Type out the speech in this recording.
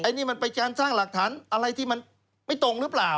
นี่มันเป็นการสร้างหลักฐานอะไรที่มันไม่ตรงหรือเปล่า